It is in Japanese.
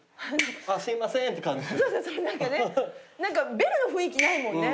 何かベルの雰囲気ないもんね。